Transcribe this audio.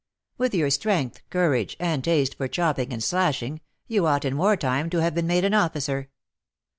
"With your strength, courage, and taste for chopping and slashing, you ought, in war time, to have been made an officer."